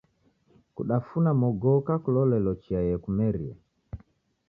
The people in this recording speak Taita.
Kudafuna mogoka kulolelo chia yekumeria.